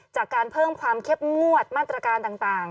จากการเพิ่มความเข้มงวดมาตรการต่าง